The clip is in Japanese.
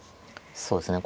そうですね。